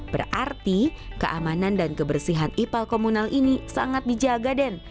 berarti keamanan dan kebersihan ipal komunal ini sangat dijaga den